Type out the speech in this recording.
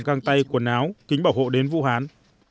găng tay quần áo kính bảo hộ đến vũ hán